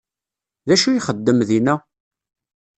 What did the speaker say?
D acu ixeddem dinna?